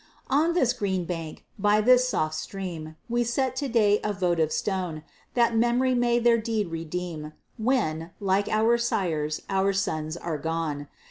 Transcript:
On this green bank, by this soft stream, We set to day a votive stone; That memory may their deed redeem, When, like our sires, our sons are gone.